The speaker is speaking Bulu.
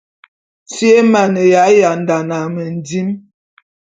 Si é mane yandane a mendim.